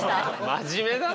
真面目だな！